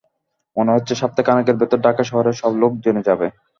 মনে হচ্ছে সপ্তাহখানেকের ভেতর ঢাকা শহরের সব লোক জেনে যাবে।